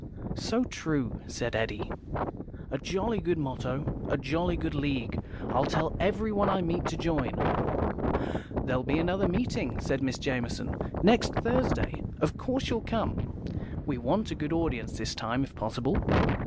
"So true," said Eddy. "A jolly good motto. A jolly good League. I'll tell everyone I meet to join." "There'll be another meeting," said Miss Jamison, "next Thursday. Of course you'll come. We want a good audience this time, if possible.